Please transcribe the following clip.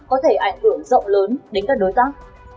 có thể ảnh hưởng rộng lớn đến các đối tác